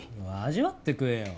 味わって食えよ。